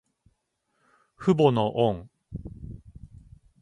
父母の恩。